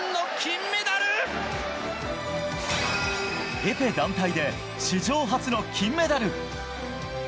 エペ団体で史上初の金メダル。